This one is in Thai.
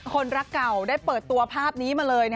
คนรักเก่าได้เปิดตัวภาพนี้มาเลย